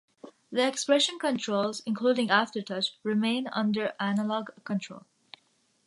The expression controls, including aftertouch, remain under analog control.